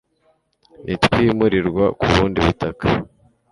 Nitwimurirwa ku bundi butaka,